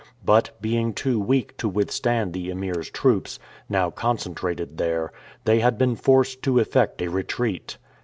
But, being too weak to withstand the Emir's troops, now concentrated there, they had been forced to effect a retreat.